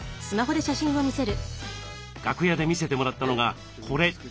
楽屋で見せてもらったのがこれ。